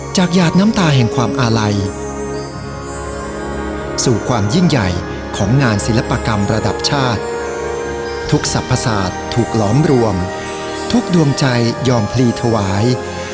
หยาดน้ำตาแห่งความอาลัยสู่ความยิ่งใหญ่ของงานศิลปกรรมระดับชาติทุกสรรพศาสตร์ถูกหลอมรวมทุกดวงใจยอมพลีถวาย